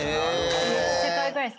めっちゃかわいくない？